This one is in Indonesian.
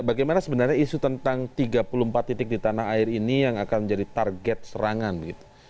bagaimana sebenarnya isu tentang tiga puluh empat titik di tanah air ini yang akan menjadi target serangan gitu